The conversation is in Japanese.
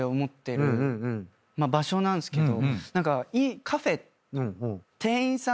場所なんすけど。